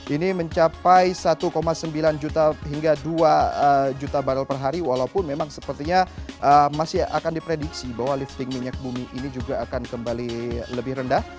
ini mencapai satu sembilan juta hingga dua juta barrel per hari walaupun memang sepertinya masih akan diprediksi bahwa lifting minyak bumi ini juga akan kembali lebih rendah